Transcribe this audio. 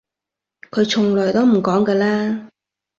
佢從來都唔講㗎啦